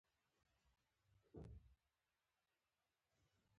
د وریجو سمه پخونه له پاکولو او لمدولو وروسته کېږي.